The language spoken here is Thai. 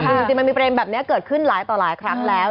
คือจริงมันมีประเด็นแบบนี้เกิดขึ้นหลายต่อหลายครั้งแล้ว